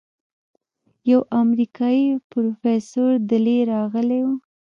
يو امريکايي پروفيسور دېلې رغلى و.